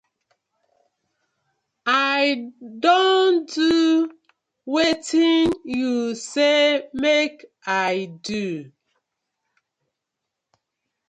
I don do wetin yu say mak I do.